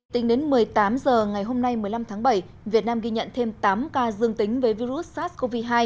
tính đến một mươi tám h ngày hôm nay một mươi năm tháng bảy việt nam ghi nhận thêm tám ca dương tính với virus sars cov hai